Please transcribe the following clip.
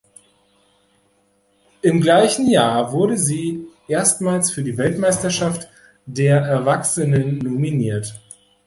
Im gleichen Jahr wurde sie erstmals für die Weltmeisterschaft der Erwachsenen nominiert.